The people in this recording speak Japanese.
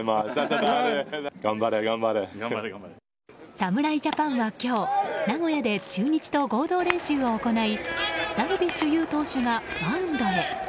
侍ジャパンは今日名古屋で中日と合同練習を行いダルビッシュ有投手がマウンドへ。